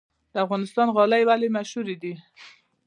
د افغانستان غالۍ ولې مشهورې دي؟